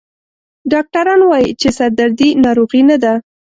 ډاکټران وایي چې سردردي ناروغي نه ده.